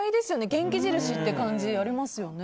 元気印という感じがありますよね。